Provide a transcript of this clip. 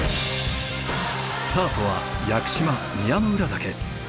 スタートは屋久島宮之浦岳。